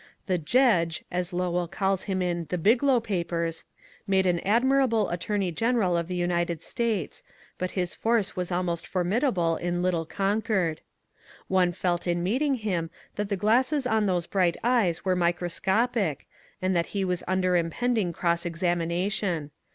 The " Jedge," as Lowell calls him in "The Big low Papers," made an admirable attorney general of the United States, but his force was almost formidable in little Concord. One felt in meeting him that the glasses on those bright eyes were microscopic, and that he was under impend ing cross examination.